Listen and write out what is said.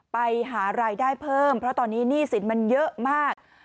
ไปหารายได้เพิ่มเพราะตอนนี้หนี้สินมันเยอะมาก